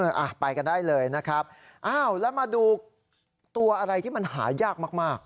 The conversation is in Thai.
อ่ะไปกันได้เลยนะครับอ้าวแล้วมาดูตัวอะไรที่มันหายากมากมาก